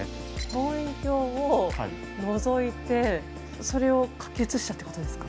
望遠鏡をのぞいてそれを書き写したってことですか？